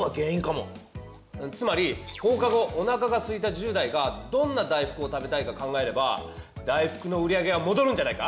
つまり放課後おなかがすいた１０代がどんな大福を食べたいか考えれば大福の売り上げはもどるんじゃないか？